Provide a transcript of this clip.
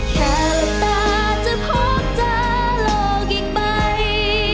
แค่หลับตาจะพบเจ้าลองอีกไป